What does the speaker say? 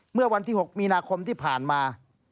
เมื่อวันที่๖มีนาคมพานมา